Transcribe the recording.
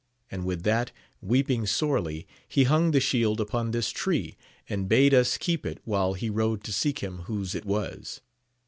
and with that, weeping sorely, he hung the shield upon this tree and bade us keep it while he rode to seek him whose it was.